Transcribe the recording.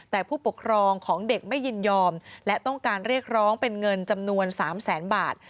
แต่ผู้ปกครองของเด็กไม่ยินยอมและต้องการเรียกร้องเป็นเงินจำนวน๓แสนบาท